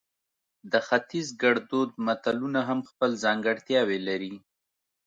د ختیز ګړدود متلونه هم خپل ځانګړتیاوې لري